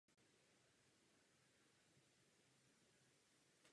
V létě souostroví navštěvují vědci a v malém množství i turisté.